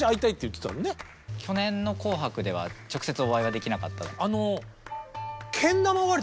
去年の「紅白」では直接お会いはできなかった？